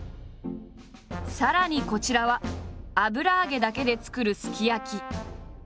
さらにこちらは油揚げだけで作るすき焼き。